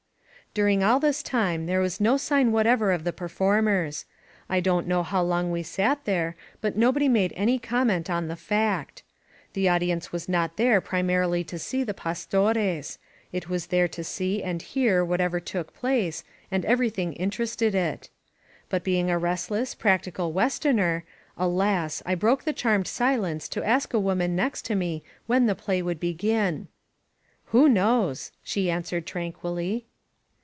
During all this time there was no sign whatever of the performers. I don't know how long we sat there, but nobody made any comment on the fact. The audi ence was not there primarily to see the Pastores; it was there to see and hear whatever took place, and everything interested it. But being a restless, practi cal Westerner, alas! I broke the charmed silence to ask a woman next to me when the play would begin. "Who knows?" she answered tranquilly.